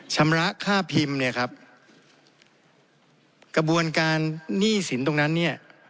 ชำระค่าพิมพ์เนี่ยครับกระบวนการหนี้สินตรงนั้นเนี่ย